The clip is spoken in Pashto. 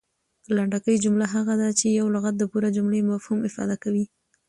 لنډکۍ جمله هغه ده، چي یو لغت د پوره جملې مفهوم افاده کوي.